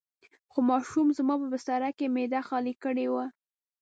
خو ماشوم زما په بستره کې معده خالي کړې وه.